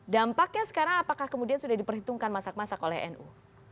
dampaknya sekarang apakah kemudian sudah diperhitungkan masak masak oleh nu